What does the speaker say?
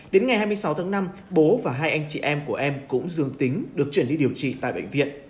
đến ngày hai mươi sáu tháng năm bố và hai anh chị em của em cũng dương tính được chuyển đi điều trị tại bệnh viện